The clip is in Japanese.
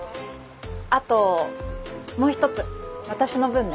あともう一つ私の分ね。